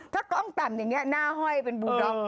ถ้ากล้องต่ำอย่างนี้หน้าห้อยเป็นบูด็อก